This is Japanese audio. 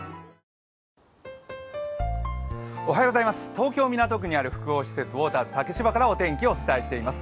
東京・港区にあるウォーターズ竹芝からお天気をお伝えしています。